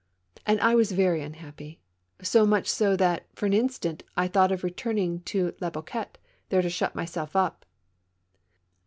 And I was very unhappy, so much so that, for an instant, I thought of returning to Le Boquet, there to shut myself up.